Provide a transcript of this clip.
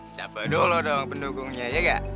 sabadoh lu dong pendukungnya iya gak